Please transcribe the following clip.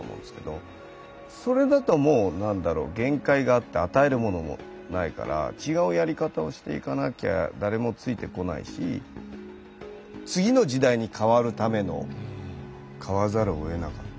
それだともう何だろう限界があって与えるものもないから違うやり方をしていかなきゃ誰もついてこないし次の時代に変わるための変わらざるをえなかった。